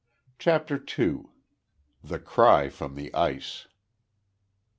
CHAPTER TWO. THE CRY FROM THE ICE.